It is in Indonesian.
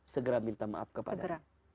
segera minta maaf kepada